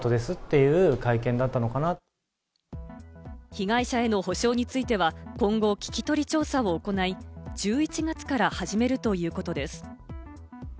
被害者への補償については今後、聞き取り調査を行い、１１月から始めるということです。